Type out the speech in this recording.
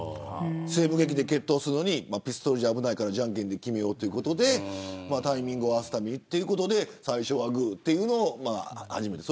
西部劇で決闘をするのにピストルじゃ危ないからじゃんけんで決めようということでタイミングを合わすために最初はグーというのを始めた。